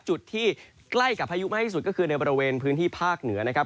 จุดที่ใกล้กับพายุมากที่สุดก็คือในบริเวณพื้นที่ภาคเหนือนะครับ